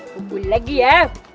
pukul lagi ya